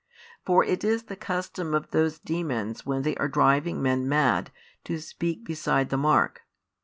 For it is the custom of those [demons] when they are driving men mad, to speak beside the mark.